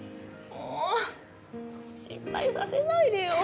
もう心配させないでよ。